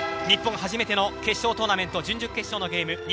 日本、初めての決勝トーナメント準々決勝のゲーム。